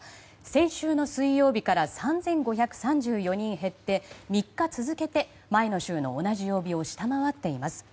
先週の水曜日から３５３４人減って３日続けて前の週の同じ曜日を下回っています。